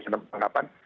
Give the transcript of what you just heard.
di raksana pangkapan